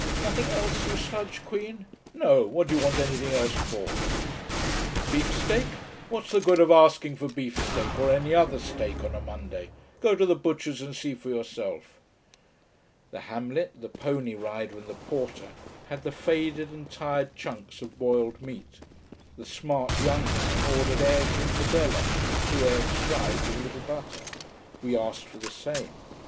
Nothing else, you sludge queen? No, what do you want anything else for? Beefsteak what's the good of asking for beefsteak or any other steak on a Monday. Go to the butcher's and see for yourself. The Hamlet, the pony rider, and the porter had the faded and tired chunks of boiled meat. The smart young man ordered eggs in padella two eggs fried with a little butter. We asked for the same.